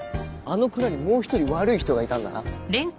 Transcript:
あの蔵にもう１人悪い人がいたんだな。